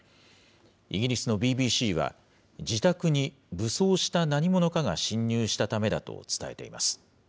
イギリスのＢＢＣは、自宅に武装した何者かが侵入したためだと伝えています。